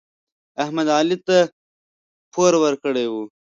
احمد علي ته پور ورکړی و.